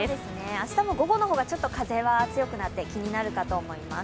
明日も午後の方がちょっと風は強くなって、気になるかと思います。